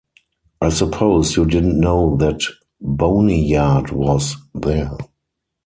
I suppose you didn't know that boneyard was there.